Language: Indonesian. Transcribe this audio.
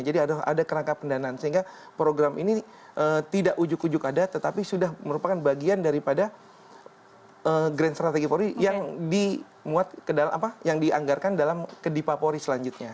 jadi ada kerangka pendanaan sehingga program ini tidak ujuk ujuk ada tetapi sudah merupakan bagian daripada grand strategy polri yang dianggarkan ke dipa polri selanjutnya